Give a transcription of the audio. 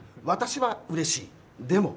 私は、うれしい。